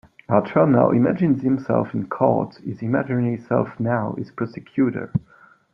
Arthur now imagines himself in court, his imaginary self now his prosecutor.